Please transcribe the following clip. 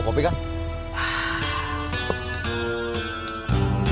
mau kopi kak